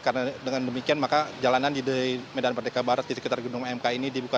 karena dengan demikian maka jalanan di medan perdeka barat di sekitar gedung mk ini dibuka